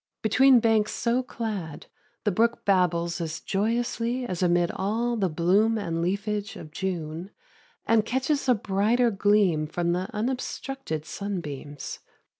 Between banks so clad the brook babbles as joyously as amid all the bloom and leafage of June, and catches a brighter gleam from the unobstructed sunbeams.